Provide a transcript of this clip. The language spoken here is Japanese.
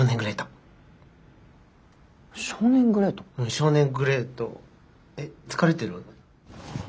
少年グレートえっ疲れてる？